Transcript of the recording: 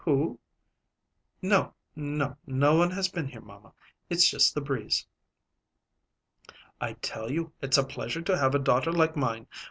Who " "No, no. No one has been here, mamma. It's just the breeze." "I tell you it's a pleasure to have a daughter like mine!